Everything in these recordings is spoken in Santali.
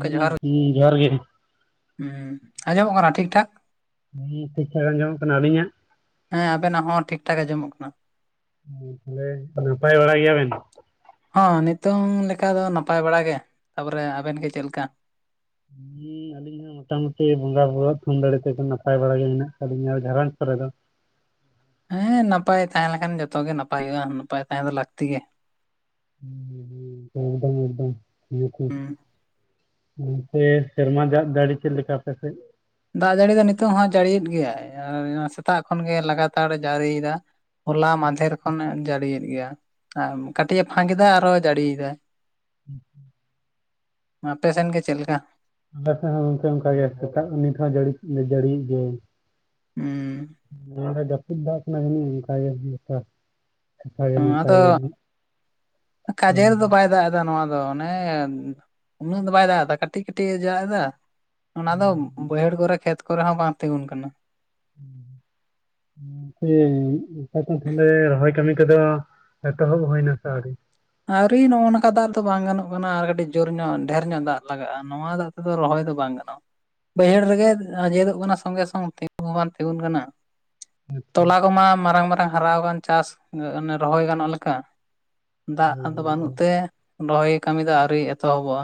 ᱦᱩᱸ ᱦᱩᱸ ᱡᱚᱦᱟᱨ ᱜᱮ ᱾ ᱩᱸ ᱟᱸᱡᱚᱢᱚᱜ ᱠᱟᱱᱟ ᱴᱷᱤᱠ ᱴᱷᱟᱠ? ᱦᱩᱸ ᱴᱷᱤᱠ ᱴᱷᱟᱠ ᱟᱸᱡᱚᱢᱚᱜ ᱠᱟᱱᱟ ᱟᱹᱞᱤᱧᱟᱜ? ᱦᱮᱸ ᱟᱵᱮᱱᱟᱜ ᱦᱚᱸ ᱴᱷᱤᱠ ᱴᱷᱟᱠ ᱟᱸᱡᱚᱢᱚᱜ ᱠᱟᱱᱟ᱾ ᱦᱩᱸ ᱛᱟᱦᱚᱞᱮ ᱱᱟᱯᱟᱭ ᱵᱟᱲᱟ ᱜᱮᱭᱟ ᱵᱮᱱ? ᱦᱚᱸ ᱱᱤᱛᱚᱝ ᱞᱮᱠᱟ ᱫᱚ ᱱᱟᱯᱟᱭ ᱵᱟᱲᱟᱟᱜ ᱜᱮ ᱛᱟᱯᱚᱨᱮ ᱟᱵᱮᱱ ᱜᱮ ᱪᱮᱜ ᱞᱮᱠᱟ? ᱦᱩᱸ ᱟᱞᱤ ᱤᱧ ᱦᱚᱸ ᱢᱚᱴᱟ ᱢᱩᱩᱴᱤ ᱵᱚᱸᱜᱟ ᱵᱩᱨᱩᱣᱟᱜ ᱛᱷᱩᱢ ᱫᱟᱲᱮ ᱛᱮ ᱫᱚ ᱱᱟᱯᱟᱭ ᱵᱟᱲᱟ ᱜᱮ ᱢᱮᱱᱟᱜ ᱟᱠᱟᱫᱤᱧᱟ ᱡᱷᱟᱨᱟᱱ ᱠᱚᱨᱮ ᱫᱚ᱾ ᱦᱮᱸ ᱱᱟᱯᱟᱭ ᱛᱟᱦᱮᱸ ᱞᱮᱠᱷᱟᱱ ᱡᱚᱛᱚ ᱜᱮ ᱱᱟᱯᱟᱭ ᱦᱩᱭᱩᱜᱼᱟ ᱱᱟᱯᱟᱭ ᱛᱟᱦᱮᱸ ᱫᱚ ᱞᱟᱹᱠᱛᱤ ᱜᱮ᱾ ᱦᱮᱸ ᱮᱠᱫᱚᱢ ᱮᱫᱚᱢ ᱤᱭᱟᱹ ᱠᱩᱢ ᱦᱩᱸ ᱱᱚᱛᱮ ᱥᱮᱨᱢᱟ ᱫᱟᱜ ᱫᱟᱲᱤ ᱪᱮᱫ ᱞᱮᱠᱟ ᱟᱯᱮᱥᱮᱫ? ᱫᱟᱜ ᱡᱟᱹᱲᱤ ᱫᱚ ᱱᱤᱛᱚᱜ ᱦᱚᱸ ᱡᱟᱹᱲᱤᱭᱮᱫ ᱜᱮᱭᱟᱭ ᱥᱮᱛᱟᱜ ᱠᱷᱚᱱᱜᱮ ᱞᱟᱜᱟᱛᱟᱨ ᱡᱟᱹᱲᱤᱫᱟ ᱾ ᱦᱚᱞᱟ ᱢᱟᱫᱷᱮᱨ ᱠᱷᱚᱱᱮ ᱡᱟᱹᱲᱤᱭᱮᱫ ᱜᱮᱭᱟ ᱟᱨ ᱠᱟᱹᱴᱤᱡ ᱮ ᱯᱷᱟᱸᱠ ᱮᱫᱟ ᱟᱨᱚ ᱡᱟᱹᱲᱤᱭᱮᱫᱟᱭ ᱾ ᱦᱩᱸ ᱦᱩᱸ ᱟᱯᱮᱥᱮᱱ ᱜᱮ ᱪᱮᱫ ᱞᱮᱠᱟ? ᱟᱞᱮ ᱥᱮᱫ ᱦᱚᱸ ᱜᱚᱢᱠᱮ ᱚᱱᱠᱟᱹᱜᱮ ᱥᱮᱛᱟᱜ ᱱᱤᱛ ᱦᱚᱸ ᱡᱟᱹᱲᱤ ᱜᱮᱭᱟ ᱾ ᱦᱩᱸ ᱚᱱᱟ ᱫᱚ ᱡᱟᱹᱯᱩᱫ ᱫᱟᱜ ᱠᱟᱱᱟᱹ ᱚᱱᱠᱟᱜᱮ ᱵᱮᱯᱟᱨ ᱦᱸ ᱟᱫᱚ [unintelligible] ᱦᱩᱸ ᱠᱟᱡᱮᱨᱮ ᱫᱚ ᱵᱟᱭ ᱫᱟᱜ ᱮᱫᱟ ᱱᱚᱣᱟ ᱫᱚ ᱟᱫᱚ ᱚᱱᱮ ᱩᱱᱟᱹᱜ ᱫᱚ ᱵᱟᱭ ᱫᱟᱜ ᱮᱫᱟ ᱠᱟᱹᱴᱤᱠ ᱠᱟᱹᱴᱤᱠ ᱮ ᱫᱟᱜ ᱮᱫᱟ ᱚᱱᱟ ᱫᱚ ᱦᱩᱸ ᱵᱟᱹᱭᱦᱟᱹᱲ ᱠᱚᱨᱮ ᱠᱷᱮᱛ ᱠᱚᱨᱮ ᱦᱚᱸ ᱵᱟᱝ ᱛᱤᱸᱜᱩᱱ ᱠᱟᱱᱟ᱾ ᱦᱩᱸ ᱦᱮᱸ ᱟᱯᱮ ᱫᱚ ᱛᱟᱞᱦᱮ ᱨᱚᱦᱚᱭ ᱠᱟᱹᱢᱤ ᱠᱚᱫᱚ ᱮᱛᱚᱦᱚᱵ ᱦᱩᱭᱱᱟ ᱥᱮ ᱟᱹᱣᱨᱤ? ᱟᱹᱣᱨᱤ ᱱᱚᱜᱼᱚ ᱱᱚᱝᱠᱟ ᱫᱟᱜ ᱫᱚ ᱵᱟᱝ ᱜᱟᱱᱚᱜ ᱠᱟᱱᱟ ᱟᱨ ᱠᱟᱹᱴᱤᱡ ᱡᱳᱨ ᱧᱚᱜ ᱰᱷᱮᱨ ᱧᱚᱜ ᱫᱟᱜ ᱞᱟᱜᱟᱜᱼᱟ ᱱᱚᱣᱟ ᱫᱟᱜ ᱟᱫᱚ ᱨᱚᱦᱚᱭ ᱫᱚ ᱵᱟᱝ ᱜᱟᱱᱚᱜᱼᱟ᱾ ᱵᱟᱹᱭᱦᱟᱹᱲ ᱨᱮᱜᱮ ᱟᱸᱡᱮᱫᱚᱜ ᱠᱟᱱᱟ ᱥᱚᱝᱜᱮ ᱥᱚᱝ ᱛᱤᱸᱜ ᱦᱚᱸ ᱵᱟᱝ ᱛᱤᱸᱜᱩᱱ ᱠᱟᱱᱟ᱾ ᱛᱚᱞᱟ ᱠᱚᱢᱟ ᱢᱟᱨᱟᱝ ᱢᱟᱨᱟᱝ ᱦᱟᱨᱟᱣ ᱟᱠᱟᱱ ᱠᱟᱱ ᱪᱟᱥ ᱚᱱᱮ ᱨᱚᱦᱚᱭ ᱜᱟᱱᱚᱜ ᱞᱮᱠᱟ᱾ ᱫᱟᱜ ᱦᱳᱭ ᱟᱫᱚ ᱦᱳᱭ ᱵᱟᱹᱱᱩᱜ ᱦᱳᱭ ᱛᱮ ᱵᱚᱦᱚᱭ ᱠᱟᱹᱢᱤ ᱫᱚ ᱟᱹᱣᱨᱤ ᱮᱛᱚᱦᱚᱵᱚᱜᱼᱟ᱾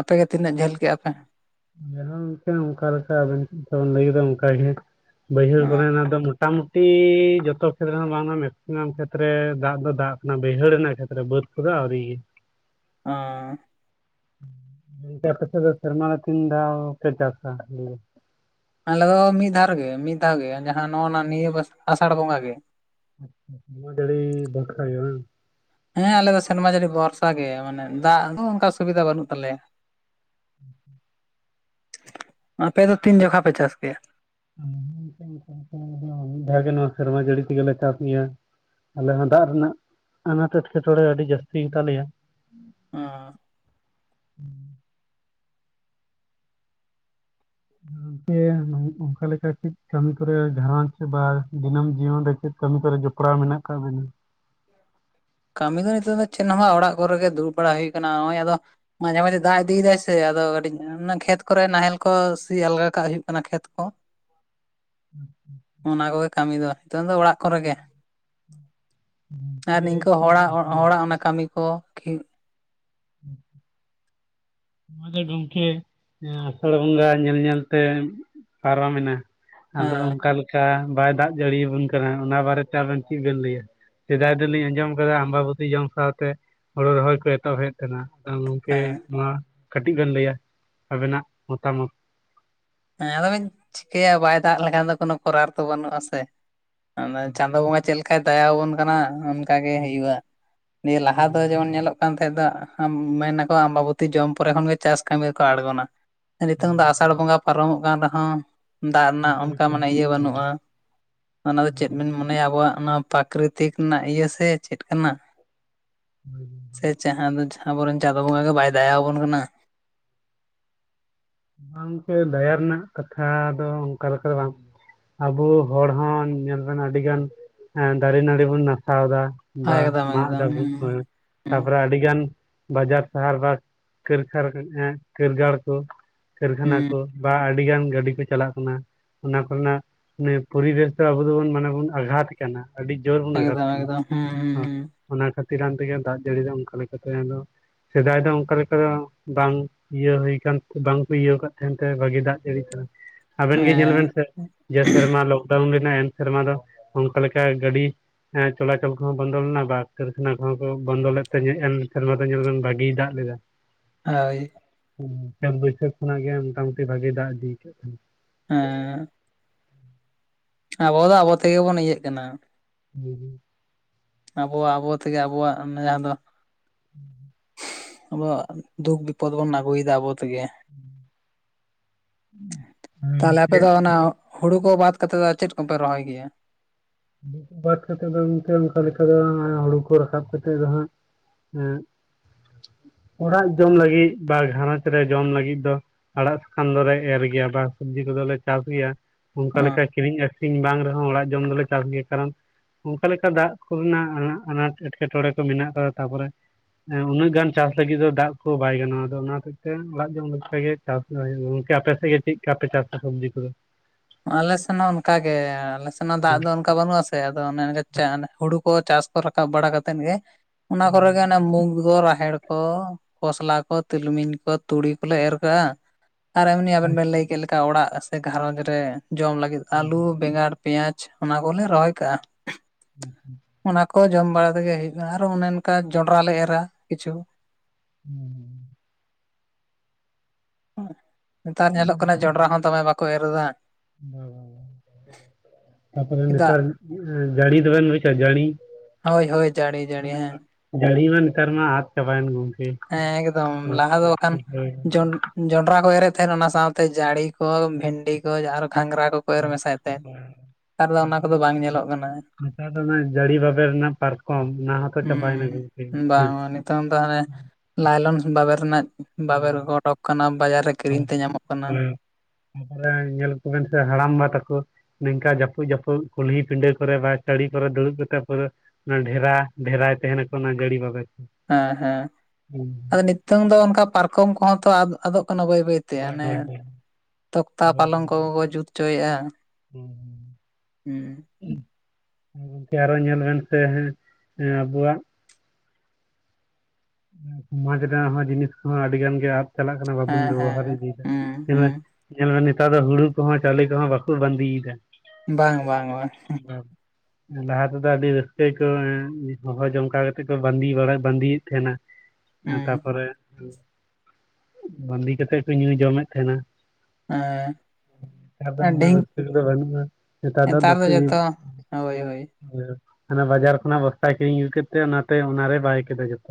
ᱟᱯᱮᱜᱮ ᱛᱤᱹᱜ ᱡᱟᱹᱞ ᱠᱮᱜᱼᱟ ᱯᱮ? ᱢᱟᱦᱟᱸ ᱞᱮᱠᱟ ᱚᱱᱠᱟ ᱞᱮᱠᱟ ᱟᱵᱮᱱ ᱡᱮᱢᱚᱱ ᱞᱟᱹᱭ ᱠᱮᱫᱟ ᱚᱱᱠᱟᱟᱜᱮ ᱵᱟᱹᱭᱦᱟᱹᱲ ᱠᱚᱨᱮ ᱚᱱᱟ ᱫᱚ ᱢᱩ ᱢᱚᱴᱟᱢᱩᱴᱤ ᱡᱚᱛᱚ ᱠᱷᱮᱛᱨᱮ ᱦᱚᱸ ᱵᱟᱝ ᱢᱟ ᱢᱮᱠᱥᱤᱢᱟᱢ ᱠᱷᱮᱛᱨᱮ ᱫᱟᱜ ᱫᱚ ᱫᱟᱜ ᱠᱟᱱᱟ ᱵᱟᱹᱭᱦᱟᱹᱲ ᱨᱮᱱᱟᱜ ᱠᱷᱮᱛᱨᱮ ᱵᱟᱹᱫᱽ ᱴᱟ ᱠᱩᱫᱚ ᱟᱹᱣᱨᱤ ᱟᱸ ᱚᱱᱛᱮ ᱠᱚᱥᱮᱜ ᱫᱚ ᱥᱮᱨᱢᱟᱹ ᱨᱮ ᱛᱤᱱ ᱫᱷᱟᱣ ᱯᱮ ᱪᱟᱥᱟ? ᱟᱞᱮ ᱫᱚ ᱢᱤᱫ ᱫᱷᱟᱣ ᱨᱮᱜ ᱢᱤᱫ ᱫᱷᱟᱣ ᱜᱮ ᱡᱟᱦᱟᱸ ᱱᱚᱜᱼᱱᱟ ᱱᱤᱭᱟᱹ ᱵᱟᱥ ᱟᱥᱟᱲ ᱵᱚᱸᱜᱟ ᱜᱮ᱾ ᱩᱞ ᱡᱟᱹᱲᱤ ᱵᱟᱸᱠᱷᱟᱱ ᱦᱩᱭᱩᱜ ᱦᱟᱝ ᱦᱮᱸ ᱟᱞᱮ ᱫᱚ ᱥᱮᱨᱢᱟ ᱡᱟᱹᱲᱤ ᱵᱚᱨᱥᱟ ᱜᱮ ᱢᱟᱱᱮ ᱫᱟᱜ ᱫᱚ ᱚᱝᱠᱟ ᱥᱩᱵᱤᱫᱷᱟ ᱵᱟᱹᱱᱩᱜ ᱛᱟᱞᱮᱭᱟ᱾ [inaudible] ᱟᱯᱮ ᱫᱚ ᱛᱤᱱ ᱡᱚᱠᱷᱟ ᱯᱮ ᱪᱟᱥ ᱠᱮᱭᱟ? [unintelligible] ᱵᱷᱟᱜᱮ ᱱᱚᱣᱟ ᱥᱮᱨᱢᱟ ᱡᱟᱹᱲᱤ ᱛᱮᱜᱮᱞᱮ ᱪᱟᱥ ᱜᱮᱭᱟ᱾ ᱟᱞᱮ ᱦᱚᱸ ᱫᱟᱜ ᱨᱮᱱᱟᱜ ᱟᱱᱟᱴ ᱮᱴᱠᱮᱴᱚᱬᱮ ᱟᱹᱰᱤ ᱡᱟᱹᱥᱛᱤ ᱜᱮ ᱛᱟᱞᱮᱭᱟ᱾ ᱟᱸ ᱟᱯᱮ ᱱᱚᱝ ᱚᱱᱠᱟ ᱞᱮᱠᱟ ᱪᱮᱫ ᱠᱟᱹᱢᱤ ᱠᱚᱨᱮ ᱜᱷᱟᱨᱚᱧᱡᱽ ᱵᱟ ᱫᱤᱱᱟᱹᱢ ᱡᱤᱭᱚᱱ ᱨᱮ ᱪᱮᱫ ᱠᱟᱹᱢᱤ ᱠᱚᱚᱨᱮ ᱡᱚᱯᱲᱟᱣ ᱢᱮᱱᱟᱜ ᱟᱠᱟᱫ ᱵᱤᱱᱟ? [inaudible] ᱠᱟᱹᱢᱤ ᱫᱚ ᱱᱤᱛᱚᱜ ᱫᱚ ᱪᱮᱫ ᱦᱚᱸ ᱵᱟᱝ ᱚᱲᱟᱜ ᱠᱚᱨᱮᱜ ᱫᱩᱲᱵᱲᱟ ᱦᱩᱭ ᱠᱟᱱᱟ ᱱᱚᱜᱼᱚᱭ ᱟᱫᱚ ᱢᱟᱡᱷᱮ ᱢᱟᱡᱷᱮ ᱫᱟᱜ ᱤᱫᱤᱭᱮᱫᱟᱭ ᱥᱮ ᱟᱫᱚ ᱠᱟᱹᱴᱤᱡ ᱠᱷᱮᱛ ᱠᱚᱨᱮ ᱱᱟᱦᱮᱞ ᱠᱚ ᱥᱤ ᱟᱞᱜᱟ ᱠᱟᱜ ᱦᱩᱭᱩᱜ ᱠᱟᱱᱟ ᱠᱷᱮᱛ ᱠᱚ᱾ [inaudible] [unintelligible] ᱚᱱᱟ ᱠᱚᱜᱮ ᱠᱟᱹᱢᱤ ᱫᱚ ᱱᱤᱛᱚᱝ ᱫᱚ ᱚᱲᱟᱜ ᱠᱚᱨᱮ ᱜᱮ᱾ ᱟᱨ ᱜᱚᱝᱠᱮ ᱱᱤᱝᱠᱟᱹ ᱦᱚᱲᱟᱜ ᱦᱚ-ᱦᱚᱲᱟᱜ ᱚᱱᱟ ᱠᱟᱹᱢᱤ ᱠᱚ ᱠᱤ [inaudible] ᱢᱟᱱᱮ ᱜᱚᱝᱠᱮ ᱮᱸ ᱟᱥᱟᱲ ᱵᱚᱸᱜᱟ ᱧᱮᱞ ᱧᱮᱞᱛᱮ ᱯᱟᱨᱚᱢᱮᱱᱟ᱾ ᱟᱫᱚ ᱦᱮᱸ ᱚᱝᱠᱟ ᱞᱮᱠᱟ ᱵᱟᱭ ᱫᱟᱜ ᱡᱟᱹᱲᱤᱭᱟᱵᱚᱱ ᱠᱟᱱᱟ ᱚᱱᱟ ᱵᱟᱨᱮᱛᱮ ᱟᱵᱮᱱ ᱪᱮᱫ ᱵᱮᱱ ᱞᱟᱹᱭᱟ᱾ ᱥᱮᱫᱟᱭ ᱫᱚᱞᱤᱧ ᱟᱸᱡᱚᱢ ᱟᱠᱟᱫᱟ ᱟᱢᱵᱟᱵᱩᱛᱤ ᱡᱚᱢ ᱥᱟᱶᱛᱮ ᱦᱳᱲᱳ ᱨᱚᱦᱚᱭ ᱠᱚ ᱮᱛᱚᱦᱚᱵ ᱠᱟᱱᱟ ᱟᱫᱚ ᱜᱚᱝᱠᱮ ᱦᱮᱸ ᱱᱚᱣᱟ ᱠᱟᱹᱴᱤᱡ ᱵᱮᱱ ᱞᱟᱹᱭᱟ ᱟᱵᱮᱱᱟᱜ ᱢᱚᱛᱟᱢᱚᱛ᱾ ᱦᱮᱸ ᱟᱫᱚ ᱵᱤᱧ ᱪᱤᱠᱟᱹᱭᱟ ᱵᱟᱭ ᱫᱟᱜ ᱞᱮᱠᱷᱟᱱ ᱫᱚ ᱠᱚᱱᱳ ᱠᱚᱨᱟᱨ ᱛᱚ ᱵᱟᱹᱱᱩᱜᱼᱟ ᱥᱮ᱾ ᱟᱫᱚ ᱪᱟᱸᱫᱳ ᱵᱚᱸᱜᱟ ᱪᱮᱜ ᱞᱮᱠᱟᱭ ᱫᱟᱭᱟ ᱟᱵᱚᱱ ᱠᱟᱱᱟ ᱟᱝ ᱠᱟ ᱜᱮ ᱦᱩᱸ ᱦᱩᱭᱩᱜᱼᱟ ᱱᱤᱭᱟᱹ ᱞᱟᱦᱟ ᱫᱚ ᱦᱩᱸ ᱡᱮᱢᱚᱱ ᱧᱮᱞᱚᱜ ᱠᱟᱱ ᱛᱟᱦᱮᱸᱜ ᱫᱚ ᱟᱢ ᱢᱮᱱᱟᱠᱚ ᱟᱢᱵᱟᱵᱚᱛᱤ ᱡᱚᱢ ᱯᱚᱨᱮ ᱠᱷᱚᱱᱜᱮ ᱪᱟᱥ ᱠᱟᱹᱢᱤ ᱨᱮᱠᱚ ᱟᱬᱜᱚᱱᱟ᱾ ᱱᱤᱛᱚᱝ ᱦᱩᱸ ᱫᱚ ᱟᱥᱟᱲ ᱵᱚᱸᱜᱟ ᱯᱟᱨᱚᱢᱚᱜ ᱠᱟᱱ ᱨᱮᱦᱚᱸ ᱫᱟᱜ ᱨᱮᱱᱟᱜ ᱚᱱᱠᱟ ᱞᱮᱠᱟ ᱢᱟᱱᱮ ᱤᱭᱟᱹ ᱦᱩᱸ ᱵᱟᱹᱱᱩᱜᱼᱟ ᱚᱱᱟ ᱫᱚ ᱪᱮᱫ ᱦᱩᱸ ᱵᱮᱱ ᱢᱚᱱᱮᱭᱟ ᱟᱵᱚᱣᱟᱜ ᱚᱱᱟ ᱯᱟᱠᱨᱤᱛᱤᱜ ᱨᱮᱱᱟᱜ ᱤᱭᱟᱹ ᱥᱮ ᱪᱮᱫ ᱠᱟᱱᱟ? ᱦᱳᱭ ᱥᱮ ᱜᱚᱢᱠᱮ ᱡᱟᱦᱟᱸ ᱫᱚ [unintelligible] ᱟᱵᱚᱨᱮᱱ ᱪᱟᱸᱫ ᱵᱚᱸᱜᱟ ᱜᱮ ᱵᱟᱭ ᱫᱟᱭᱟ ᱟᱵᱚᱱ ᱠᱟᱱᱟ᱾ ᱜᱚᱢᱠᱮ ᱫᱟᱭᱟ ᱨᱮᱱᱟᱜ ᱠᱟᱛᱷᱟ ᱫᱚ ᱚᱱᱠᱟ ᱞᱮᱠᱟ ᱫᱚ ᱵᱟᱝ [unintelligible] ᱟᱵᱩ ᱦᱚᱲ ᱦᱚᱸ ᱧᱮᱞ ᱵᱮᱱ ᱟᱹᱰᱤ ᱜᱟᱱ [unintelligible] ᱫᱟᱨᱮ ᱱᱟᱹᱲᱤ ᱵᱩᱱ ᱱᱟᱥᱟᱣ ᱮᱫᱟ ᱵᱟ ᱮᱠᱫᱚᱢ ᱢᱟᱜ ᱮᱠᱫᱚᱢ ᱫᱟᱵᱚᱱ ᱦᱩᱸ ᱦᱮᱸ ᱦᱩᱸ ᱛᱟᱯᱚᱨᱮ ᱟᱹᱰᱤ ᱜᱟᱱ [inaudible] ᱵᱟᱡᱟᱨ ᱥᱟᱦᱟᱨ ᱵᱟ ᱠᱟᱹᱨᱤᱠᱷᱟᱨ [unintelligible] ᱠᱟᱹᱨᱤᱜᱟᱲ ᱠᱩ ᱠᱟᱹᱨᱠᱷᱟᱱᱟ ᱠᱚ ᱦᱩᱸ ᱵᱟ ᱟᱹᱰᱤ ᱜᱟᱱ ᱜᱟᱹᱰᱤ ᱠᱚ ᱪᱟᱞᱟᱜ ᱠᱟᱱᱟ ᱚᱱᱟ ᱠᱚᱨᱮᱱᱟᱜ ᱢᱟᱱᱮ ᱯᱚᱨᱤᱵᱮᱥ ᱫᱚ ᱟᱵᱚ ᱫᱚᱵᱚᱱ ᱢᱟᱱᱮ ᱵᱚᱱ ᱟᱜᱷᱟᱛ ᱟᱹᱰᱤ ᱡᱳᱨ ᱵᱚ ᱟᱜᱷᱛ ᱮᱠᱫᱚᱢ ᱠᱟᱱᱟ ᱮᱠᱫᱚᱢ ᱦᱩᱸ ᱦᱩᱸ ᱦᱮᱸ ᱦᱩᱸ ᱚᱱᱟ ᱠᱷᱟᱹᱛᱤᱨᱟᱱ ᱛᱮᱜᱮ ᱫᱟᱜ ᱡᱟᱹᱲᱤ ᱫᱚ ᱚᱱᱠᱟ ᱞᱮᱠᱟᱛᱮ ᱟᱫᱚ ᱥᱮᱫᱟᱭ ᱫᱚ ᱚᱱᱠᱟ ᱞᱮᱠᱟᱹ ᱵᱟᱝ ᱤᱭᱟᱹ ᱦᱩᱭ ᱠᱟᱱ ᱵᱟᱝ ᱤᱭᱟᱹᱣ ᱟᱠᱟᱫ ᱛᱟᱦᱮᱱ ᱛᱮ ᱵᱷᱟᱹᱜᱤ ᱫᱟᱜ ᱡᱟᱹᱲᱤ ᱠᱟᱱᱟ ᱟᱵᱮᱱ ᱜᱮ ᱧᱮᱞ ᱦᱮᱸ ᱵᱮᱱ ᱥᱮ ᱡᱮ ᱥᱮᱨᱢᱟ ᱫᱚ ᱟᱣᱩᱱ ᱨᱮᱱᱟᱜ ᱮᱱ ᱥᱮᱨᱢᱟ ᱫᱚ ᱚᱱᱠᱟ ᱞᱮᱠᱟ ᱜᱟᱹᱰᱤ ᱦᱮᱸ ᱪᱚᱞᱟᱪᱚᱞ ᱠᱚᱦᱚᱸ ᱵᱚᱱᱫᱚ ᱞᱮᱱᱟ ᱵᱟ ᱠᱟᱨᱠᱷᱟᱱᱟ ᱠᱚᱦᱚᱸ ᱠᱚ ᱵᱚᱱᱫᱚ ᱞᱮᱫ ᱛᱮ ᱧᱮᱞ ᱥᱮᱨᱢᱟ ᱫᱚ ᱧᱮᱞ ᱞᱮ ᱵᱷᱟᱜᱤᱭ ᱫᱟᱜ ᱞᱮᱫᱟᱭ [unintelligible] ᱦᱳᱭ ᱦᱮ ᱪᱟᱹᱛ ᱵᱟᱹᱭᱥᱟᱹᱠ ᱠᱷᱚᱱᱟᱜ ᱜᱮ ᱢᱳᱚᱴᱟᱢᱩᱴᱤ ᱵᱷᱟᱜᱤ ᱫᱟᱜ ᱤᱫᱤᱠᱟᱜ ᱛᱟᱦᱮ ᱱᱟ ᱦᱮᱸ ᱟᱵᱚ ᱫᱚ ᱟᱵᱚ ᱛᱮᱜᱮ ᱵᱚᱱ ᱤᱭᱟᱹᱜ ᱠᱟᱱᱟ ᱦᱩᱸ ᱦᱩᱸ ᱟᱵᱚᱣᱟᱜ ᱟᱵᱚ ᱛᱮᱜᱮ ᱟᱵᱚᱣᱟᱜ [unintelligible] ᱡᱟᱦᱟᱸ ᱫᱚ [unintelligible] ᱟᱵᱚᱣᱟᱜ ᱫᱩᱠ ᱵᱤᱯᱚᱫ ᱵᱚᱱ ᱟᱹᱜᱩᱭᱮᱫᱟ ᱟᱵᱚ ᱛᱮᱜᱮ [inaudible] ᱛᱟᱦᱚᱞᱮ ᱟᱯᱮ ᱫᱚ ᱚᱱᱟ ᱦᱩᱲᱩ ᱠᱚ ᱵᱟᱫ ᱠᱟᱛᱮ ᱫᱚ ᱪᱮᱫ ᱠᱚᱯᱮ ᱨᱚᱦᱚᱭ ᱜᱮᱭᱟ [unintelligible] ᱵᱟᱫ ᱠᱟᱛᱮ ᱫᱚ ᱮᱛᱮ ᱚᱱᱠᱟ ᱞᱮᱠᱟ ᱫᱚ [unintelligible] ᱦᱩᱲᱩ ᱠᱚ ᱨᱟᱠᱟᱵ ᱠᱟᱛᱮᱜ ᱫᱚ ᱦᱟᱸᱜ ᱦᱮᱸ [inaudible] ᱚᱲᱟᱜ ᱡᱚᱢ ᱞᱟᱹᱜᱤᱫ ᱵᱟ ᱜᱷᱟᱨᱚᱸᱡᱽ ᱨᱮ ᱡᱚᱢ ᱞᱟᱹᱜᱤᱫ ᱫᱚ ᱟᱲᱟᱜ ᱥᱟᱠᱟᱱ ᱫᱚᱞᱮ ᱮᱻᱨ ᱜᱮᱭᱟ ᱵᱟ ᱥᱚᱵᱽᱡᱤ ᱠᱚᱫᱚᱞᱮ ᱪᱟᱥ ᱜᱮᱭᱟ ᱚᱱᱠᱟ ᱚ ᱞᱮᱠᱟ ᱠᱤᱨᱤᱧ ᱟᱹᱠᱷᱨᱤᱧ ᱵᱟᱝ ᱨᱮᱦᱚᱸ ᱚᱲᱟᱜ ᱡᱚᱢ ᱫᱚᱞᱮ ᱪᱟᱥ ᱜᱮ ᱠᱟᱨᱚᱱ ᱚᱱᱠᱟ ᱞᱮᱠᱟ ᱫᱟᱜ ᱠᱚᱨᱮᱱᱟᱜ [unintelligible] ᱟᱱᱟᱴ ᱮᱸᱴᱠᱮᱴᱚᱬᱮ ᱠᱚ ᱢᱮᱱᱟᱜ ᱠᱟᱫᱟ ᱛᱟᱨᱯᱚᱨᱮ [unintelligible] ᱩᱱᱟᱹᱜ ᱜᱟᱱ ᱪᱟᱥ ᱞᱟᱹᱜᱤᱫ ᱫᱚ ᱫᱟᱜ ᱠᱚ ᱵᱟᱭ ᱜᱟᱱᱚᱜᱼᱟ ᱟᱫᱚ ᱚᱱᱟ ᱦᱚᱛᱮᱡᱛᱮ ᱚᱲᱟᱜ ᱡᱚᱢ ᱞᱮᱠᱟᱜᱮ ᱪᱟᱥ [unintelligible] ᱜᱚᱢᱠᱮ ᱟᱯᱮ ᱥᱮᱫ ᱜᱮ ᱪᱮᱫ ᱞᱮᱠᱟ ᱯᱮ ᱪᱟᱥᱟ ᱥᱚᱵᱽᱡᱤ ᱠᱚᱫᱚ ᱟᱞᱮ ᱥᱮᱱ ᱦᱚᱸ ᱚᱱᱠᱟᱜᱮ ᱟᱞᱮ ᱥᱮᱱ ᱦᱚᱸ ᱫᱟᱜ ᱫᱚ ᱚᱱᱠᱟ ᱚᱱᱠᱟ ᱵᱟᱹᱱᱩᱜ ᱟᱥᱮ ᱟᱫᱚ ᱚᱱᱮ ᱚᱱᱠᱟ [unintelligible] ᱦᱩᱲᱩ ᱠᱚ ᱪᱟᱥ ᱠᱚ ᱨᱟᱠᱟᱵ ᱵᱟᱲᱟ ᱠᱟᱛᱮᱫ ᱜᱮ ᱚᱱᱟ ᱠᱚᱨᱮ ᱜᱮ ᱚᱱᱮ ᱢᱩᱠ [unintelligible] ᱨᱟᱦᱮᱲ ᱠᱚ ᱠᱷᱚᱥᱞᱟ ᱠᱚ ᱛᱤᱞᱢᱤᱧ ᱠᱚ ᱛᱩᱲᱤ ᱠᱚᱞᱮ ᱮᱻᱨ ᱠᱟᱜᱼᱟ ᱟᱨ ᱮᱢᱱᱤ ᱟᱵᱮᱱ ᱵᱮᱱ ᱞᱟᱹᱭ ᱠᱮᱫ ᱞᱮᱠᱟ ᱚᱲᱟᱜ ᱥᱮ ᱜᱷᱟᱨᱚᱸᱡᱽ ᱨᱮ ᱡᱚᱢ ᱞᱟᱹᱜᱤᱫ ᱟᱹᱞᱩ ᱵᱮᱸᱜᱟᱲ ᱯᱮᱸᱭᱟᱡᱽ ᱚᱱᱟ ᱠᱚᱞᱮ ᱨᱚᱦᱚᱭ ᱠᱟᱜᱼᱟ [unintelligible] ᱚᱱᱟ ᱠᱚ ᱡᱚᱢ ᱵᱟᱲᱟ ᱛᱮᱜᱮ ᱦᱩᱭᱩᱜᱼᱟ ᱟᱨᱚ ᱚᱱᱮ ᱚᱱᱠᱟ ᱡᱚᱱᱰᱨᱟ ᱞᱮ ᱮᱻᱨᱟ ᱠᱤᱪᱷᱩ [unintelligible] [inaudible] ᱱᱮᱛᱟᱨ ᱧᱮᱞᱚᱜ ᱠᱟᱱᱟ ᱡᱚᱱᱰᱨᱟ ᱦᱚᱸ ᱫᱚᱢᱮ ᱵᱟᱠᱚ ᱮᱻᱨ ᱮᱫᱟ [unintelligible] ᱛᱟᱯᱚᱨᱮ ᱪᱮᱫᱟᱜ ᱱᱮᱛᱟᱨ ᱡᱟᱹᱲᱤ ᱫᱚᱵᱤᱱ ᱵᱩᱡᱟ ᱡᱟᱹᱲᱤ ᱦᱳᱭ ᱦᱳᱭ ᱡᱟᱹᱲᱤ ᱡᱟᱹᱲᱤ ᱦᱮᱸ ᱡᱟᱹᱲᱤ ᱢᱟ ᱱᱮᱛᱟᱨ ᱢᱟ ᱟᱛ ᱪᱟᱵᱟᱭᱮᱱ [unintelligible] ᱦᱮᱸ ᱮᱠᱫᱚᱢ ᱞᱟᱦᱟ ᱫᱚ ᱵᱟᱠᱷᱟᱱ [unintelligible] ᱡᱚᱱᱰᱨᱟ ᱠᱚ ᱮᱻᱨᱮᱫ ᱛᱟᱦᱮᱱ ᱚᱱᱟ ᱥᱟᱶᱛᱮ ᱡᱟᱺᱲᱤ ᱠᱚ ᱵᱷᱤᱱᱰᱤ ᱠᱚ ᱟᱨ ᱜᱷᱟᱸᱜᱽᱨᱟ ᱠᱚ [unintelligible] ᱱᱮᱛᱟᱨ ᱫᱚ ᱚᱱᱟ ᱠᱚᱫᱚ ᱵᱟᱝ ᱧᱮᱞᱚᱜ ᱠᱟᱱᱟ ᱟᱪᱟ ᱫᱚ ᱚᱱᱟ ᱡᱟᱹᱲᱤ ᱵᱟᱵᱮᱨ ᱨᱮᱱᱟᱜ ᱯᱟᱨᱠᱚᱢ ᱚᱱᱟ ᱦᱚᱸᱛᱚ ᱪᱟᱵᱟᱭᱮᱱᱟ ᱜᱚᱢᱠᱮ ᱦᱩᱸ ᱦᱮᱸ [inaudible] ᱞᱟᱭᱞᱚᱱᱥ ᱵᱟᱵᱮᱨ ᱨᱮᱱᱟᱜ ᱦᱳᱭ ᱵᱟᱵᱮᱨ ᱚᱰᱚᱠ ᱠᱟᱱᱟ ᱵᱟᱡᱟᱨ ᱨᱮ ᱠᱤᱨᱤᱧ ᱛᱮ ᱧᱟᱢᱚᱜ ᱠᱟᱱᱟ ᱦᱳᱭ ᱛᱟᱯᱚᱨᱮ ᱧᱮᱞ ᱠᱚᱵᱮᱱ ᱥᱮ ᱦᱟᱲᱟᱢᱵᱟ ᱛᱟᱠᱚ ᱱᱤᱝᱠᱟ ᱡᱟᱹᱯᱩᱫ ᱡᱟᱹᱯᱩᱫ ᱠᱩᱞᱦᱤ ᱯᱤᱸᱰᱟᱹ ᱠᱚᱨᱮ ᱵᱟ ᱪᱟᱹᱲᱤ ᱠᱚᱨᱮ ᱫᱩᱲᱩᱵ ᱠᱟᱛᱮ ᱯᱩᱨᱟᱹ ᱚᱱᱟ ᱰᱷᱮᱨᱟ ᱰᱷᱮᱨᱟᱭ ᱛᱟᱦᱮᱱᱟᱠᱚ ᱚᱱᱟ ᱜᱟᱹᱲᱤ ᱵᱟᱵᱮᱨ ᱠᱚ ᱦᱮᱸ ᱦᱮᱸ ᱟᱫᱚ ᱱᱤᱛᱚᱝ ᱫᱚ ᱚᱱᱠᱟ ᱯᱟᱨᱠᱚᱢ ᱠᱚᱦᱚᱸ ᱛᱚ ᱟᱫᱚᱜ ᱠᱟᱱᱟ ᱵᱟᱹᱭ ᱵᱟᱹᱭᱛᱮ ᱛᱮ ᱦᱳᱭ ᱚᱱᱮ ᱦᱳᱭ ᱦᱳᱭ ᱦᱳᱭ ᱛᱚᱠᱛᱟ ᱯᱟᱞᱚᱝ ᱠᱚ ᱠᱚ ᱡᱩᱛ ᱦᱚᱪᱚᱭᱮᱫᱼᱟ ᱦᱩᱸ ᱦᱮᱸ ᱦᱩᱸ ᱜᱚᱝᱠᱮ ᱟᱨᱚ ᱧᱮᱞ ᱵᱮᱱ ᱥᱮ ᱦᱮᱸ ᱟᱵᱚᱣᱟᱜ [unintelligible] ᱥᱚᱢᱟᱡᱽ ᱨᱮᱱᱟᱜ ᱦᱚᱸ ᱡᱤᱱᱤᱥ ᱠᱚᱦᱚᱸ ᱟᱹᱰᱤ ᱜᱟᱱ ᱜᱮ ᱟᱫ ᱪᱟᱞᱟᱜ ᱠᱟᱱᱟ ᱦᱮᱸ ᱵᱟᱵᱚᱱ ᱦᱮᱸ ᱵᱮᱵᱚᱦᱟᱨ ᱤᱫᱤᱭᱮᱫᱟ ᱦᱩᱸ ᱦᱩᱸ [unintelligible] ᱧᱮᱞ ᱢᱮ ᱱᱮᱛᱟᱨ ᱫᱚ ᱦᱩᱲᱩ ᱠᱚᱦᱚᱸ ᱪᱟᱣᱞᱮ ᱠᱚᱦᱚᱸ ᱵᱟᱠᱚ ᱵᱟᱺᱫᱤᱭᱮᱫᱟ ᱵᱟᱝ ᱵᱟᱝ ᱵᱟᱝ [unintelligible] ᱦᱮᱸ ᱞᱟᱦᱟ ᱛᱮᱫᱚ ᱟᱹᱰᱤ ᱨᱟᱹᱥᱠᱟᱹ ᱜᱮᱠᱚ [unintelligible] ᱦᱚᱦᱚ ᱡᱚᱝ ᱚᱱᱠᱟ ᱠᱟᱛᱮ ᱠᱚ ᱵᱟᱺᱫᱤ ᱵᱟᱲᱟ ᱵᱟᱺᱫᱤᱭᱮᱫ ᱛᱟᱦᱮᱱᱟ ᱦᱩᱸ ᱛᱟᱨᱯᱚᱨᱮ [unintelligible] ᱵᱟᱺᱫᱤ ᱠᱟᱛᱮ ᱠᱚ ᱧᱩ ᱡᱚᱢᱮᱫ ᱛᱟᱦᱮᱱᱟ ᱦᱮᱸ ᱱᱮᱛᱟᱨ ᱫᱚ ᱚᱱᱟ ᱰᱷᱤᱝ ᱨᱟᱹᱥᱠᱟᱹ ᱠᱚᱫᱚ ᱵᱟᱹᱱᱩᱜᱼᱟ ᱱᱮᱛᱟᱨ ᱫᱚ ᱦᱳᱭ ᱦᱳᱭ [unintelligible] ᱚᱱᱟ ᱵᱟᱡᱟᱨ ᱠᱷᱚᱱᱟᱜ ᱵᱚᱥᱛᱟ ᱠᱤᱨᱤᱧ ᱟᱹᱜᱩ ᱠᱮᱫ ᱛᱮ ᱚᱱᱟ ᱛᱮ ᱚᱱᱟᱨᱮ ᱵᱟᱭ ᱠᱮᱫᱟ ᱡᱚᱛᱚ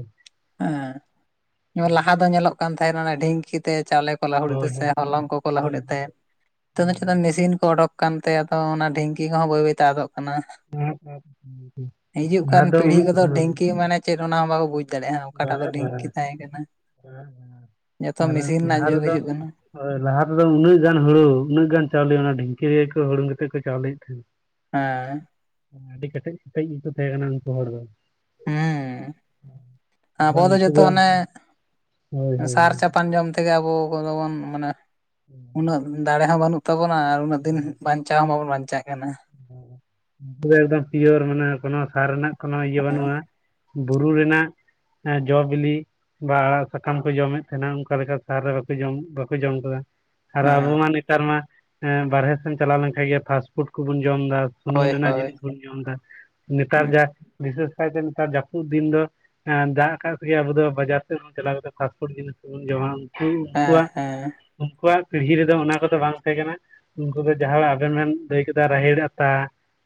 ᱦᱮᱸ ᱞᱟᱦᱟ ᱫᱚ ᱧᱮᱞᱚᱜ ᱠᱟᱱ ᱛᱟᱦᱮᱸ ᱰᱷᱤᱝᱠᱤ ᱛᱮ ᱪᱟᱣᱞᱮ ᱠᱚ ᱞᱟᱹᱦᱩᱫ ᱮᱫ ᱦᱳᱭ ᱛᱟᱸᱦᱮ ᱮ ᱥᱮ ᱦᱚᱞᱚᱝ ᱠᱚᱠᱚ ᱞᱟᱹᱦᱩᱫ ᱦᱳᱭ ᱮᱫ ᱦᱳᱭ ᱛᱟᱦᱮᱸᱫ ᱢᱮᱥᱤᱱ ᱠᱚ ᱚᱰᱚᱠ ᱠᱟᱱᱛᱮ ᱟᱫᱚ ᱚᱱᱟ ᱰᱷᱤᱝᱠᱤ ᱠᱚᱦᱚᱸ ᱵᱟᱹᱭ ᱵᱟᱹᱭ ᱛᱮ ᱟᱫᱚᱜ ᱠᱟᱱᱟ ᱦᱳᱭ ᱦᱤᱡᱩᱜ ᱞᱟᱦᱟ ᱠᱟᱱ ᱫᱚ ᱯᱤᱲᱦᱤ ᱩᱱᱟᱹᱜ ᱠᱚᱫᱚ ᱦᱮᱸ ᱰᱷᱤᱝᱠᱤ ᱢᱟᱱᱮ ᱪᱮᱫ ᱚᱱᱟ ᱦᱚᱸ ᱵᱟᱠᱚ ᱵᱩᱡᱷ ᱫᱟᱲᱮᱭᱟᱜᱼᱟ ᱚᱠᱟᱴᱟᱜ ᱫᱚ ᱵᱟᱝ ᱰᱷᱤᱝᱠᱤ ᱵᱟᱝ ᱛᱟᱦᱮᱸ ᱠᱟᱱᱟ ᱵᱟᱝ ᱡᱚᱛᱚ ᱟᱨ ᱢᱮᱥᱤᱱ ᱨᱮᱱᱟᱜ ᱞᱟᱦᱟ ᱡᱩᱜᱽ ᱛᱮᱫᱚ ᱦᱤᱡᱩᱜ ᱠᱟᱱᱟ ᱦᱳᱭ ᱞᱟᱦᱟ ᱛᱮᱫᱚ ᱩᱱᱟᱹᱜ ᱜᱟᱱ ᱦᱩᱲᱩ ᱩᱱᱟᱹᱜ ᱜᱟᱱ ᱪᱟᱣᱞᱮ ᱚᱱᱟ ᱰᱷᱤᱝᱠᱤ ᱨᱮ ᱦᱩᱲᱩᱝ ᱠᱟᱛᱮᱫ ᱠᱚ ᱪᱟᱣᱞᱮ ᱮᱫ ᱛᱟᱦᱮᱸᱫ ᱦᱮᱸ ᱟᱹᱰᱤ ᱠᱮᱴᱮᱡ ᱠᱮᱴᱮᱡ ᱜᱮᱠᱚ ᱛᱟᱦᱮᱸ ᱠᱟᱱᱟ ᱩᱱᱠᱩ ᱦᱚᱲ ᱫᱚ ᱦᱮᱸ ᱟᱵᱚ ᱛᱟᱯᱚᱨᱮ ᱫᱚ ᱩᱱᱠᱩ ᱡᱚᱛᱚ ᱚᱱᱮ ᱦᱳᱭ ᱦᱳᱭ ᱥᱟᱨ ᱦᱳᱭ ᱪᱟᱯᱟᱱ ᱡᱚᱢ ᱛᱮ ᱛᱮᱜᱮ ᱟᱵᱚ ᱠᱚᱫᱚ ᱵᱚᱱ ᱢᱟᱱᱮ ᱩᱱᱟᱹᱜ ᱫᱟᱲᱮ ᱦᱚᱸ ᱵᱟᱹᱱᱩᱜ ᱛᱟᱵᱚᱱᱟ ᱟᱨ ᱩᱱᱟᱹᱜ ᱫᱤᱱ ᱪᱟᱣ ᱦᱚᱸ ᱵᱟᱵᱚᱱ ᱵᱟᱧᱪᱟᱜ ᱠᱟᱱᱟ ᱩᱠᱩ ᱫᱚ ᱮᱠᱫᱚᱢ ᱯᱤᱭᱳᱨ ᱢᱟᱱᱮ ᱠᱳᱱᱳ ᱥᱟᱨ ᱨᱮᱱᱟᱜ ᱠᱳᱱᱳ ᱤᱭᱟᱹ ᱵᱟᱹᱱᱩᱜᱼᱟ ᱵᱩᱨᱩ ᱨᱮᱱᱟᱜ ᱡᱚ ᱵᱤᱞᱤ ᱵᱟ ᱟᱲᱟᱜ ᱥᱟᱠᱟᱢ ᱠᱚ ᱡᱚᱢᱮᱫ ᱛᱟᱦᱮᱸᱱᱟ ᱚᱱᱠᱟᱞᱮᱠᱟ ᱥᱟᱦᱟᱨ ᱨᱮ ᱵᱟᱠᱚ ᱡᱚᱢ ᱟᱠᱟᱫᱟ ᱟᱨ ᱟᱵᱚ ᱦᱮᱸ ᱢᱟ ᱱᱮᱛᱟᱨ ᱢᱟ ᱵᱟᱨᱦᱮ ᱥᱮᱱ ᱪᱟᱞᱟᱣ ᱞᱮᱱᱠᱷᱟᱱ ᱜᱮ ᱯᱷᱟᱥᱴ ᱯᱷᱩᱰ ᱠᱚᱵᱚᱱ ᱡᱚᱢ ᱮᱫᱟ ᱥᱩᱱᱩᱢ ᱦᱳᱭ ᱨᱮᱱᱟᱜ ᱦᱳᱭ ᱡᱤᱱᱤᱥ ᱵᱚᱱ ᱡᱚᱢ ᱮᱫᱟ ᱦᱩᱸ ᱱᱮᱛᱟᱨ ᱡᱟ ᱵᱤᱥᱮᱥ ᱠᱟᱭᱛᱮ ᱱᱮᱛᱟᱨ ᱡᱟᱹᱯᱩᱫ ᱫᱤᱱ ᱫᱚ ᱸ ᱫᱟᱜ ᱠᱟᱜ ᱠᱚᱜᱮ ᱟᱵᱚ ᱫᱚ ᱵᱟᱡᱟᱨ ᱥᱮᱫ ᱪᱟᱞᱟᱣ ᱠᱟᱛᱮ ᱯᱷᱟᱥᱯᱷᱩᱰ ᱡᱤᱱᱤᱥ ᱠᱚᱵᱚᱱ ᱡᱚᱢᱟ ᱦᱮᱸ ᱩᱱᱠᱩᱣᱟᱜ ᱦᱮᱸ ᱩᱱᱠᱩᱣᱟᱜ ᱯᱤᱲᱦᱤ ᱨᱮᱫᱚ ᱚᱱᱟ ᱠᱚᱫᱚ ᱵᱟᱝ ᱛᱟᱦᱮᱸ ᱠᱟᱱᱟ ᱩᱱᱠᱩ ᱫᱚ ᱡᱟᱦᱟᱸ ᱟᱵᱮᱱ ᱵᱮᱱ ᱞᱟᱹᱭ ᱨᱟᱦᱮᱲ ᱟᱛᱟ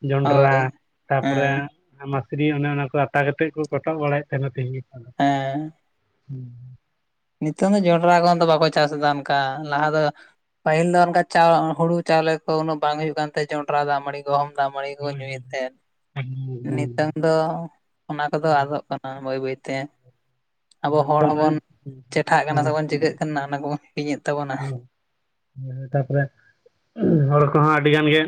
ᱡᱚᱱᱰᱽᱨᱟ ᱦᱳᱭ ᱛᱟᱯᱚᱨᱮ ᱦᱮᱸ ᱢᱟᱥᱨᱤ ᱚᱱᱮ ᱚᱱᱟ ᱠᱚ ᱟᱛᱟ ᱠᱟᱛᱮᱫ ᱠᱚ ᱠᱚᱴᱚᱜ ᱵᱟᱲᱟᱭᱮᱫ ᱛᱟᱦᱮᱸᱱᱟ ᱛᱮᱦᱤᱧ ᱜᱟᱯᱟ ᱫᱚ ᱦᱮᱸ ᱦᱮᱸ ᱱᱤᱛᱚᱜ ᱫᱚ ᱡᱚᱱᱰᱨᱟ ᱠᱚᱦᱚ ᱫᱚ ᱵᱟᱠᱚ ᱪᱟᱥ ᱮᱫᱟ ᱚᱱᱠᱟ ᱞᱟᱦᱟ ᱫᱚ ᱯᱟᱹᱦᱤᱞ ᱫᱚ ᱚᱱᱠᱟ ᱪᱟ ᱦᱩᱲᱩ ᱪᱟᱣᱞᱮ ᱠᱚ ᱩᱱᱟᱹᱜ ᱵᱟᱝ ᱦᱩᱭᱩᱜ ᱠᱟᱱ ᱛᱟᱦᱮᱸᱱ ᱡᱚ ᱡᱚᱴᱨᱟ ᱫᱟᱜ ᱢᱟᱹᱲᱤ ᱠᱚ ᱫᱟᱜ ᱢᱟᱲᱤ ᱠᱚ ᱦᱳᱭ ᱦᱳᱭ ᱧᱩᱭᱮᱫ ᱛᱟᱦᱮᱱ ᱮᱠᱫᱚᱢ ᱱᱤᱛᱚᱝ ᱮᱠᱫᱚᱢ ᱫᱚ ᱚᱱᱟ ᱠᱚᱫᱚ ᱟᱫᱚᱜ ᱠᱟᱱᱟ ᱵᱟᱹᱭ ᱵᱟᱹᱭᱛᱮ ᱟᱵᱚ ᱞᱟᱦᱟ ᱦᱚᱲ ᱛᱮᱫᱚ ᱦᱚᱸᱵᱚᱱ ᱪᱮᱴᱷᱟᱜ ᱠᱟᱱᱟ ᱥᱮᱵᱚᱱ ᱪᱤᱠᱟᱹᱜ ᱠᱟᱱᱟ ᱚᱱᱟ ᱠᱚ ᱦᱤᱲᱤᱧᱮᱫ ᱛᱟᱵᱚᱱᱟ ᱚᱱᱮ ᱛᱟᱯᱚᱨᱮ ᱦᱚᱲ ᱠᱚᱦᱚᱸ ᱟᱹᱰᱤᱜᱟᱱ ᱜᱮ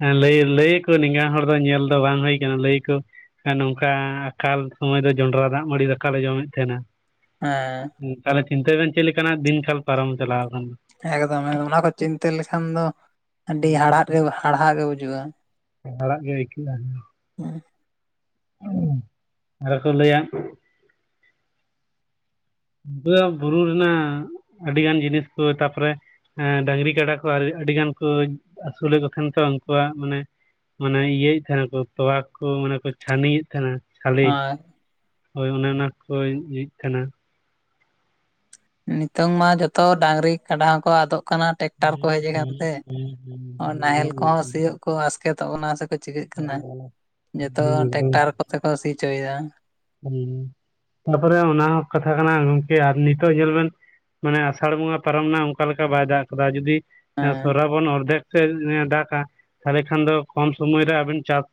ᱦᱮᱸ ᱞᱟᱹᱭ ᱞᱟᱹᱭᱟ ᱠᱚ ᱱᱮᱝ-ᱟ ᱦᱚᱲ ᱫᱚ ᱧᱮᱞ ᱫᱚ ᱵᱟᱝ ᱦᱩᱭ ᱠᱟᱱᱟ ᱞᱟᱹᱭᱟ ᱠᱚ ᱱᱚᱝᱠᱟ ᱟᱠᱟᱞ ᱥᱚᱢᱚᱭ ᱫᱚ ᱡᱚᱸᱰᱨᱟ ᱫᱟᱜ ᱢᱟᱹᱲᱤ ᱫᱟᱠᱟ ᱞᱮ ᱡᱚᱢᱮᱫ ᱛᱟᱦᱮᱸᱱᱟ ᱦᱮᱸ ᱛᱟᱦᱚᱞᱮ ᱪᱤᱱᱛᱟᱹᱭ ᱵᱮᱱ ᱪᱮᱫ ᱞᱮᱠᱟᱱᱟᱜ ᱫᱤᱱ ᱠᱟᱞ ᱯᱟᱨᱚᱢ ᱪᱟᱞᱟᱣ ᱠᱟᱱᱟ ᱮᱠᱫᱚᱢ ᱮᱠᱫᱚᱢ ᱚᱱᱟ ᱠᱚ ᱪᱤᱱᱛᱟᱹ ᱞᱮᱠᱷᱟᱱ ᱫᱚ ᱟᱹᱰᱤ ᱦᱟᱲᱦᱟ ᱜᱮ ᱦᱟᱲᱦᱟ ᱜᱮ ᱵᱩᱡᱩᱜᱼᱟ ᱦᱟᱲᱟᱜ ᱜᱮ ᱟᱹᱭᱠᱟᱹᱜᱼᱟ ᱦᱮᱸ ᱟᱨᱦᱠᱚ ᱞᱟᱹᱭᱟ ᱵᱩᱨᱩ ᱨᱮᱱᱟᱜ ᱟᱹᱰᱤ ᱜᱟᱱ ᱡᱤᱱᱤᱥ ᱠᱚ ᱛᱟᱯᱚᱨᱮ ᱦᱮᱸ ᱰᱟᱹᱝᱨᱤ ᱠᱟᱰᱟ ᱠᱚ ᱟᱹᱰᱤ ᱜᱟᱱ ᱠᱚ ᱟᱹᱥᱩᱞᱮᱫ ᱠᱚ ᱛᱟᱦᱮᱸᱱ ᱛᱚ ᱩᱱᱠᱩᱣᱟᱜ ᱢᱟᱱᱮ ᱢᱟᱱᱮ ᱤᱭᱟᱹᱭᱮᱫ ᱛᱟᱦᱮᱱᱟᱠᱚ ᱛᱚᱣᱟ ᱠᱚ ᱢᱟᱱᱮ ᱠᱚ ᱪᱷᱟᱱᱤᱭᱮᱫ ᱛᱟᱦᱮᱱᱟ ᱥᱟᱞᱮ ᱟᱨ ᱦᱳᱭ ᱚᱱᱮ ᱚᱱᱟ ᱠᱚᱭᱧᱩ ᱮᱫ ᱛᱟᱦᱮᱱᱟ ᱱᱤᱛᱚᱝ ᱢᱟ ᱡᱚᱛᱚ ᱰᱟᱝᱨᱤ ᱠᱟᱰᱟ ᱦᱚᱸᱠᱚ ᱟᱫᱚᱜ ᱠᱟᱱᱟ ᱴᱮᱠᱴᱟᱨ ᱠᱚ ᱦᱩᱸ ᱦᱮᱡ ᱟᱠᱟᱱ ᱦᱩᱸ ᱛᱮ ᱦᱩᱸ ᱦᱩᱸ ᱦᱩᱸ ᱱᱟᱦᱮᱞ ᱠᱚᱦᱚᱸ ᱥᱤᱭᱳᱜ ᱠᱚ ᱟᱥᱠᱮᱛᱚᱜᱱᱟ ᱥᱮ ᱪᱤᱠᱟᱹᱜ ᱠᱟᱱᱟ ᱡᱚᱛᱚ ᱮᱠᱫᱚᱢ ᱮᱠᱫᱚᱢ ᱦᱩᱸ ᱴᱮᱠᱴᱟᱨ ᱠᱚᱛᱮ ᱠᱚ ᱥᱤᱪᱚᱭᱮᱫᱟ ᱦᱮᱸ ᱛᱟᱯᱚᱨᱮ ᱚᱱᱟ ᱦᱚᱸ ᱠᱟᱛᱷᱟ ᱠᱟᱱᱟ ᱜᱚᱝᱠᱮ ᱟᱨ ᱱᱤᱛᱚᱜ ᱧᱮᱞ ᱵᱮᱱ ᱢᱟᱱᱮ ᱟᱥᱟᱲ ᱵᱚᱸᱜᱟ ᱯᱟᱨᱚᱢ ᱮᱱᱟ ᱚᱱᱠᱟ ᱞᱮᱠᱟ ᱵᱟᱭ ᱫᱟᱜ ᱠᱟᱫᱟ ᱡᱩᱫᱤ ᱦᱮᱸ ᱥᱚᱨᱟ ᱵᱚᱱ ᱚᱨᱫᱷᱮ ᱫᱟᱜᱟ ᱛᱟᱦᱚᱞᱮ ᱠᱷᱟᱱ ᱫᱚ ᱠᱚᱢ ᱥᱚᱢᱚᱭ ᱨᱮ ᱟᱵᱤᱱ ᱪᱟᱥ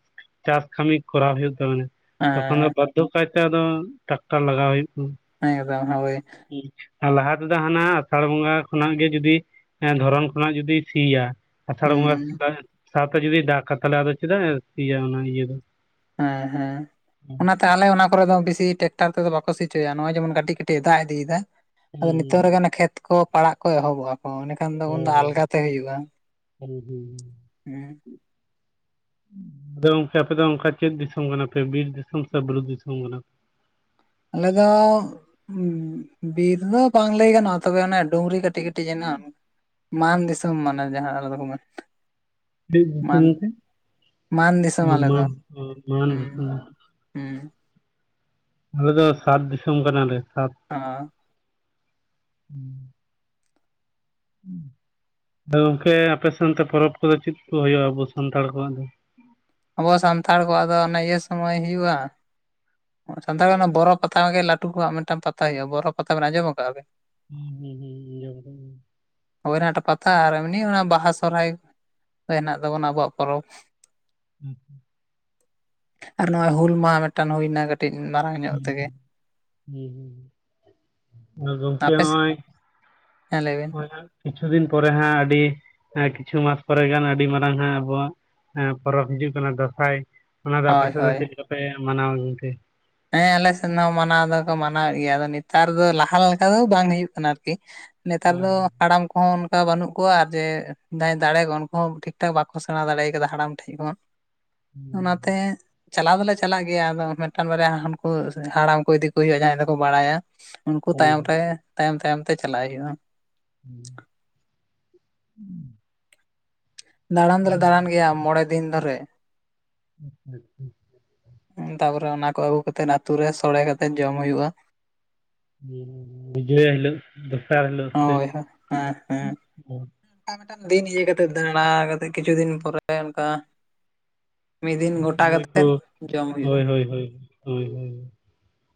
ᱪᱟᱥ ᱠᱟᱢᱤ ᱠᱚ ᱦᱩᱭᱩᱜ ᱛᱟᱵᱮᱱᱟ ᱛᱚᱠᱷᱚᱱ ᱫᱚ ᱦᱮᱸ ᱵᱟᱨᱫᱷᱚᱠ ᱠᱟᱭᱛᱮ ᱟᱫᱚ ᱴᱨᱟᱠᱴᱟᱨ ᱞᱟᱜᱟᱣ ᱦᱩᱭᱩᱜ ᱠᱟᱱᱟ ᱦᱸ ᱦᱳᱭ ᱞᱟᱦᱟ ᱛᱮᱫᱚ ᱦᱟᱱᱟ ᱟᱥᱟᱲ ᱵᱚᱸᱜᱟ ᱠᱷᱚᱱᱟᱜ ᱜᱮ ᱡᱩᱫᱤ ᱫᱷᱚᱨᱚᱱ ᱠᱷᱚᱱᱟᱜ ᱡᱩᱫᱤ ᱥᱤᱭᱟ ᱟᱥᱟᱲ ᱦᱩᱸ ᱵᱚᱸᱜᱟ ᱥᱟᱶᱛᱮ ᱡᱩᱫᱤ ᱫᱟᱜ ᱠᱟᱛᱞᱮ ᱪᱮᱫᱟᱜ ᱚᱱᱟ ᱤᱭᱟᱹ ᱫᱚ ᱦᱮᱸ ᱦᱮᱸ ᱦᱩᱸ ᱚᱱᱟᱛᱮ ᱛᱟᱦᱚᱞᱮ ᱚᱱᱟ ᱠᱚᱨᱮ ᱫᱚ ᱵᱮᱥᱤ ᱴᱨᱟᱠᱴᱟᱨ ᱛᱮᱫᱚ ᱵᱟᱠᱚ ᱥᱤᱪᱚᱭᱟ ᱱᱚᱜᱚᱭ ᱡᱮᱢᱚᱱ ᱠᱟᱹᱴᱤᱡ ᱠᱟᱹᱴᱤᱡ ᱫᱟᱜ ᱤᱫᱤᱭᱮᱫᱟ ᱟᱫᱚ ᱦᱩᱸ ᱱᱤᱛᱚᱜ ᱨᱮᱜᱟᱱ ᱠᱷᱮᱛ ᱠᱚ ᱯᱟᱲᱟᱜ ᱠᱚ ᱮᱦᱚᱵᱚᱜᱼᱟ ᱚᱱᱮ ᱠᱷᱟᱱ ᱫᱚ ᱩᱱ ᱫᱚ ᱦᱩᱸ ᱟᱞᱜᱟᱛᱮ ᱦᱩᱭᱩᱜᱼᱟ ᱦᱩᱸ ᱦᱩᱸ ᱦᱩᱸ ᱦᱮᱸ [unintelligible] ᱟᱫᱚ ᱜᱚᱝᱠᱮ ᱟᱯᱮ ᱫᱚ ᱚᱱᱠᱟ ᱪᱮᱫ ᱫᱤᱥᱚᱢ ᱠᱟᱱᱟ ᱯᱮ ᱵᱤᱨ ᱫᱤᱥᱚᱢ ᱥᱮ ᱵᱩᱨᱩ ᱫᱤᱥᱚᱢ ᱠᱟᱱᱟ ᱯᱮ ᱟᱞᱮ ᱫᱚ ᱵᱤᱨ ᱫᱚ ᱵᱟᱝ ᱞᱟᱹᱭ ᱜᱟᱱᱚᱜᱼᱟ ᱛᱚᱵᱮ ᱚᱱᱮ ᱰᱩᱝᱨᱤ ᱠᱟᱹᱴᱤᱡ ᱠᱟᱹᱴᱤᱡ ᱡᱮᱱᱚ ᱢᱟᱱ ᱫᱤᱥᱚᱢ ᱢᱟᱱᱮ ᱡᱟᱦᱟᱸ ᱫᱚ ᱢᱮ ᱪᱮᱫ ᱫᱤᱥᱚᱢ ᱢᱟᱱ ᱯᱮ? ᱢᱟᱱ ᱫᱤᱥᱚᱢ ᱚ ᱟᱞᱮ ᱫᱚ ᱢᱟᱱ ᱚ ᱢᱟᱱ ᱦᱮᱸ ᱫᱤᱥᱚᱢ ᱦᱮᱸ ᱟᱞᱮ ᱫᱚ ᱥᱟᱛ ᱫᱤᱥᱚᱢ ᱠᱟᱱᱟᱞᱮ ᱥᱟᱛ ᱦᱮᱸ ᱦᱩᱸ ᱜᱚᱝᱠᱮ ᱟᱯᱮᱥᱱᱛᱮ ᱯᱚᱨᱚᱵᱽ ᱠᱚᱫᱚ ᱪᱮᱫ ᱠᱚ ᱦᱩᱭᱩᱜᱼᱟ ᱟᱵᱚ ᱥᱟᱱᱛᱟᱲ ᱠᱚᱣᱟᱜ ᱫᱚ ᱟᱵᱚ ᱥᱟᱱᱛᱟᱲ ᱠᱚᱣᱟᱜᱫᱚ ᱚᱱᱟ ᱤᱭᱟᱹ ᱥᱚᱢᱚᱭ ᱦᱩᱭᱩᱜᱼᱟ ᱥᱟᱱᱛᱟᱲ ᱚᱱᱟ ᱵᱚᱨᱚ ᱯᱟᱛᱟ ᱜᱮ ᱞᱟᱹᱴᱩ ᱠᱚᱣᱟᱜ ᱢᱤᱫᱴᱟᱱ ᱯᱟᱛᱟ ᱦᱩᱭᱩᱜᱼᱟ ᱵᱚᱨᱚ ᱯᱟᱛᱟ ᱵᱮᱱ ᱟᱸᱡᱚᱢ ᱠᱫᱼᱟ ᱦᱩᱸ ᱦᱩᱸ ᱦᱩᱸ ᱦᱚᱭᱱᱟᱴ ᱯᱟᱛᱟ ᱟᱨ ᱮᱢᱱᱤ ᱚᱱᱟ ᱵᱟᱦᱟ ᱥᱚᱨᱚᱦᱟᱭ ᱦᱮᱱᱟᱜ ᱛᱟᱵᱚᱱᱟ ᱟᱵᱚᱣᱟᱜ ᱯᱚᱨᱚᱵᱽ ᱟᱪᱪᱷᱟ ᱟᱨ ᱱᱚᱜᱼᱚᱭ ᱦᱩᱞ ᱢᱟᱦᱟ ᱢᱤᱫᱴᱟᱝ ᱦᱩᱭᱱᱟ ᱴᱤᱡ ᱢᱟᱨᱟᱝ ᱧᱚᱜ ᱛᱮᱜᱮ ᱦᱩᱸ ᱟᱸᱡᱚᱢ ᱠᱟᱜ ᱜᱤᱭᱟᱹᱧ ᱦᱩᱸ ᱦᱩᱸ ᱦᱩᱸ᱾ ᱟᱨ ᱜᱚᱝᱠᱮ ᱟᱯᱮ ᱦᱚᱸᱜᱼᱚᱭ ᱦᱮᱸᱞᱟᱹᱭᱵᱤᱱ ᱠᱤᱪᱷᱩ ᱫᱤᱱ ᱯᱚᱨᱮ ᱦᱟᱸᱜ ᱟᱹᱰᱤ ᱠᱤᱪᱷᱩ ᱢᱟᱥ ᱯᱚᱨᱮ ᱜᱟᱱ ᱟᱹᱰᱤ ᱢᱟᱨᱟᱝ ᱦᱟᱸᱜ ᱟᱵᱚᱣᱟᱜ ᱸ ᱯᱚᱨᱚᱵᱽ ᱦᱤᱡᱩᱜ ᱠᱟᱱᱟ ᱫᱟᱸᱥᱟᱭ ᱚᱱᱟ ᱫᱚ ᱟᱯᱮ ᱦᱳᱭ ᱥᱮᱫ ᱫᱚ ᱦᱳᱭ ᱪᱮᱫ ᱞᱮᱠᱟᱯᱮ ᱢᱟᱱᱟᱣᱣᱟ ᱜᱚᱝᱠᱮ ᱦᱮᱸ ᱟᱞᱮ ᱥᱮᱫ ᱦᱚᱸ ᱢᱟᱱᱟᱣ ᱫᱚᱠᱚ ᱢᱟᱱᱟᱣᱮᱫ ᱜᱮᱭᱟ ᱟᱫᱚ ᱱᱮᱛᱟᱨ ᱫᱚ ᱞᱟᱦᱟ ᱞᱮᱠᱟ ᱫᱚ ᱵᱟᱝ ᱦᱩᱭᱩᱜ ᱠᱟᱱᱟ ᱟᱨᱠᱤ ᱱᱮᱛᱟᱨ ᱦᱳᱭ ᱫᱚ ᱦᱳᱭ ᱦᱟᱲᱟᱢ ᱠᱚᱦᱚᱸ ᱠᱟ ᱵᱟᱹᱱᱩᱜ ᱠᱚᱣᱟ ᱟᱨ ᱡᱮ ᱡᱟᱦᱟᱸᱭ ᱫᱟᱲᱮ ᱠᱚᱣᱟ ᱩᱱᱠᱩ ᱦᱚᱸ ᱴᱷᱤᱠ ᱴᱷᱟᱠ ᱵᱟᱠᱚ ᱥᱮᱬᱟ ᱫᱟᱲᱮᱭᱟ ᱠᱟᱫᱟ ᱦᱟᱲᱟᱢ ᱴᱷᱮᱱ ᱪ ᱠᱚ ᱦᱩᱸ ᱚᱱᱟᱛᱮ ᱪᱟᱞᱟᱣ ᱫᱚᱞᱮ ᱪᱟᱞᱟᱜ ᱜᱮᱭᱟ ᱟᱫᱚ ᱢᱤᱫᱴᱟᱱ ᱵᱟᱨᱭᱟ ᱳᱱᱠᱩ ᱦᱟᱲᱟᱢ ᱠᱚ ᱤᱫᱤ ᱠᱚ ᱦᱩᱭᱩᱜᱼᱟ ᱡᱟᱦᱟᱸᱭ ᱫᱚᱠᱚ ᱵᱟᱲᱟᱭᱟ ᱩᱱᱠᱩ ᱦᱩᱸ ᱛᱟᱭᱚᱢ ᱦᱩᱸ᱾ ᱛᱮ ᱛᱟᱭᱚᱢ ᱛᱟᱭᱚᱢ ᱛᱮ ᱪᱟᱞᱟᱜ ᱦᱩᱭᱩᱜᱼᱟ ᱦᱮᱸ ᱦᱮᱸ [unintelligible] ᱫᱟᱬᱟᱱ ᱫᱚᱞᱮ ᱫᱟᱬᱟᱱ ᱜᱮᱭᱟ ᱢᱚᱬᱮ ᱫᱤᱱ ᱫᱷᱚᱨᱮ ᱟᱪᱪᱷᱟ ᱟᱪᱪᱷᱟ [unintelligible] ᱛᱟᱯᱚᱨᱮ ᱚᱱᱟ ᱠᱚ ᱟᱹᱜᱩ ᱠᱟᱛᱮᱜ ᱟᱛᱩ ᱨᱮ ᱥᱚᱲᱮ ᱠᱟᱛᱮᱜ ᱡᱚᱢ ᱦᱩᱭᱩᱜᱼᱟ ᱵᱤᱡᱚᱭᱟ ᱦᱤᱞᱳᱜ ᱫᱚᱥᱟᱨ ᱦᱤᱞᱳᱜ ᱥᱮᱫ ᱦᱳᱭ ᱦᱳᱭ ᱦᱮᱸ ᱦᱮᱸ ᱢᱤᱫᱴᱟᱝ ᱫᱤᱱ ᱤᱭᱟᱹ ᱠᱟᱛᱮ ᱫᱟᱬᱟ ᱠᱟᱛᱮ ᱠᱤᱪᱷᱩ ᱫᱤᱱ ᱯᱚᱨᱮ ᱚᱱᱠᱟ ᱢᱤᱫ ᱫᱤᱱ ᱜᱚᱴᱟ ᱥᱚᱢᱚᱭ ᱠᱚ ᱠᱟᱛᱮᱫ ᱡᱚᱢ ᱦᱩᱭᱩᱜᱼᱟ ᱦᱳᱭ ᱦᱳᱭ ᱦᱚᱭ